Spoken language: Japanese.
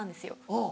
うん。